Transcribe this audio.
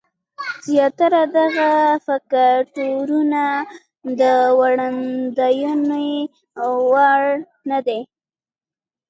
زیاتره دغه فکټورونه د وړاندوینې وړ نه دي.